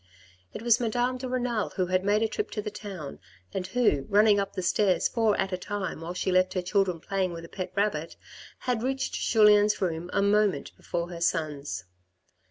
It was Madame de Renal who had made a trip to the town, and who, running up the stairs four at a time while she left her children playing with a pet rabbit, had reached Julien's room a moment before her sons.